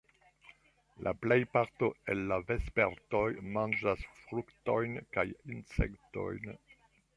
La plejparto el la vespertoj manĝas fruktojn kaj insektojn.